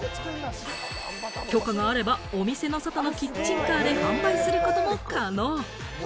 許可があれば、お店の外のキッチンカーで販売することも可能。